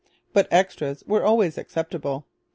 But 'extras' were always acceptable.